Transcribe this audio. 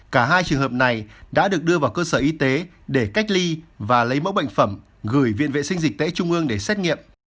cả hai trường hợp này đã được đưa vào cơ sở y tế để cách ly và lấy mẫu bệnh phẩm gửi viện vệ sinh dịch tễ trung ương để xét nghiệm